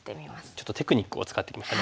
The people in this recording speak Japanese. ちょっとテクニックを使ってきましたね。